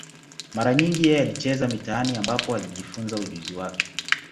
Mara nyingi yeye alicheza mitaani, ambapo alijifunza ujuzi wake.